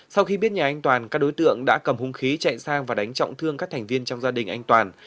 sau khi biết nhà anh toàn các đối tượng đã cầm hung khí chạy sang và đánh trọng thương các thành viên trong gia đình anh toàn